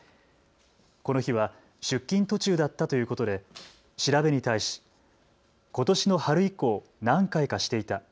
この日は出勤途中だったということで調べに対し、ことしの春以降、何回かしていた。